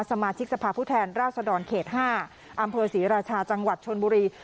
สมาชิกสภาพผู้แทนราชดรเขต๕อำเภอศรีราชาจังหวัดชนบุรี